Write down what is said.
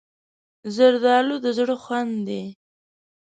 زردالو د زړه خوند دی.